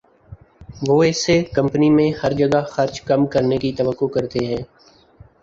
وہ اس سے کمپنی میں ہر جگہ خرچ کم کرنے کی توقع کرتے ہیں